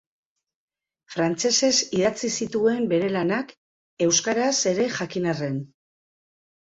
Frantsesez idatzi zituen bere lanak, euskaraz ere jakin arren.